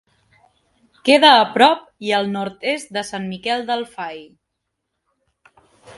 Queda a prop i al nord-est de Sant Miquel del Fai.